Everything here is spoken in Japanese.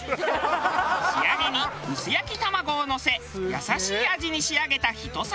仕上げに薄焼き卵をのせ優しい味に仕上げたひと皿。